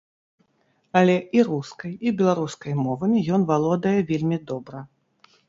Але і рускай, і беларускай мовамі ён валодае вельмі добра.